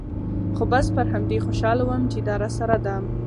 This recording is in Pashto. خو بس پر همدې خوشاله وم چې دا راسره ده.